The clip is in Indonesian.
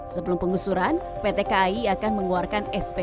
sebelum pengusuran pt kai akan mengeluarkan sp satu dua dan tiga